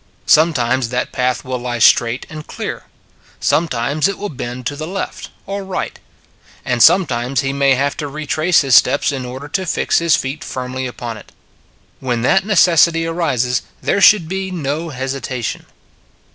Sometimes that path will lie straight and clear; sometimes it will bend to the left or right; and sometimes he may have to retrace his steps in order to fix his feet firmly upon it. When that necessity arises, there should be no hesita tion.